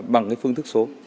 bằng phương thức số